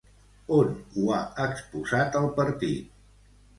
On ho ha exposat el partit?